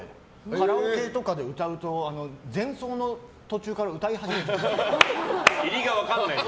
カラオケとかで歌うと前奏の途中から歌い始めちゃうみたいな。